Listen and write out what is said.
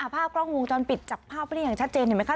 ภาพกล้องวงจรปิดจับภาพไว้ได้อย่างชัดเจนเห็นไหมค